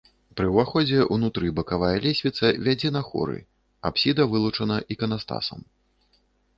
Пры ўваходзе ўнутры бакавая лесвіца вядзе на хоры, апсіда вылучана іканастасам.